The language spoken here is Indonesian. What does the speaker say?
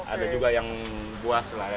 ada juga yang buas lah ya